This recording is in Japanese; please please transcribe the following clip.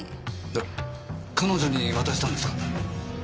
えっ彼女に渡したんですか？